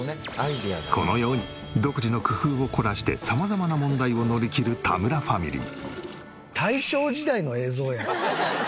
このように独自の工夫を凝らして様々な問題を乗り切る田村ファミリー。